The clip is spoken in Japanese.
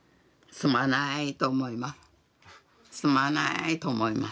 すまないと思います。